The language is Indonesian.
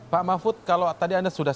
pak mahfud kalau tadi anda sudah